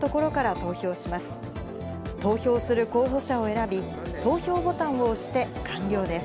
投票する候補者を選び、投票ボタンを押して完了です。